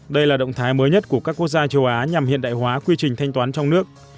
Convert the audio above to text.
đây là động thái mới nhất của các quốc gia châu á nhằm hiện đại hóa quy trình thanh toán trong nước